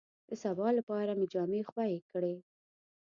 د سبا لپاره مې جامې خوې کړې.